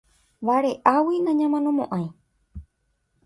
Vare'águi nañamanomo'ãi.